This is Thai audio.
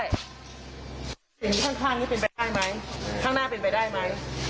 เห็นข้างนี้เป็นไปได้ไหมข้างหน้าเป็นไปได้ไหม